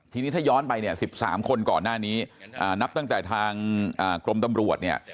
ทีนี้ถ้าย้อนไปเนี่ย๑๓คนก่อนหน้านี้นับตั้งแต่ทางกรมตำรวจเนี่ย